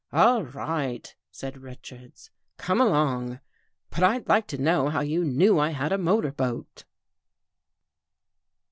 " All right," said Richards. " Come along. But I'd like to know how you knew I had a motor boat."